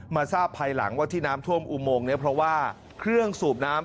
ทราบภายหลังว่าที่น้ำท่วมอุโมงนี้เพราะว่าเครื่องสูบน้ำ